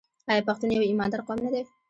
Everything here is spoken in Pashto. آیا پښتون یو ایماندار قوم نه دی؟